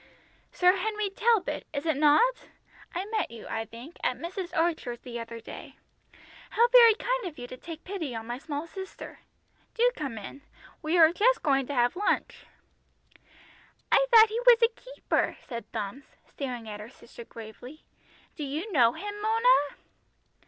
"Sir Henry Talbot, is it not? I met you, I think, at Mrs. Archer's the other day. How very kind of you to take pity on my small sister. Do come in. We are just going to have lunch." "I thought he was a keeper," said Bumps, staring at her sister gravely. "Do you know him, Mona?"